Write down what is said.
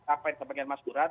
apa yang dikatakan mas duran